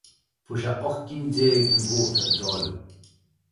Fuair sé ocht gcinn déag den vóta a dáileadh.